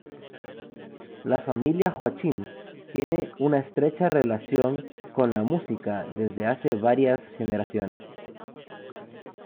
La familia Joachim tiene una estrecha relación con la música desde hace varias generaciones.